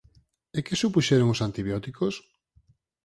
E que supuxeron os antibióticos?